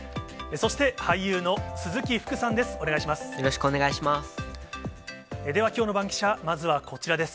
そして俳優の鈴木福さんです。